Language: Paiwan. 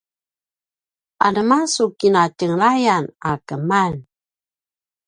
anema su katjengelayan a keman?